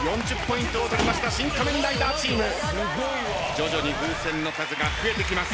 徐々に風船の数が増えてきます。